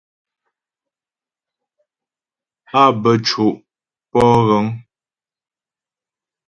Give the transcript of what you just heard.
Á bə́ co' pɔ'o ghəŋ.